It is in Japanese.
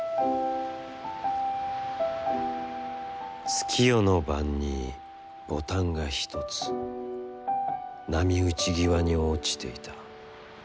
「月夜の晩に、ボタンが一つ波打際に、落ちていた。